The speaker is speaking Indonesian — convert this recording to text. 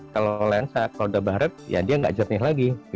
kalau lensa kalau udah barep ya dia nggak jernih lagi